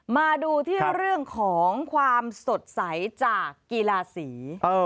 มาดูที่เรื่องของความสดใสจากกีฬาสี